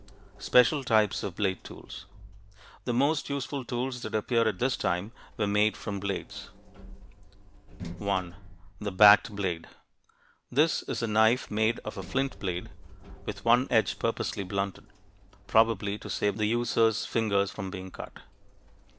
SPECIAL TYPES OF BLADE TOOLS The most useful tools that appear at this time were made from blades. 1. The "backed" blade. This is a knife made of a flint blade, with one edge purposely blunted, probably to save the user's fingers from being cut.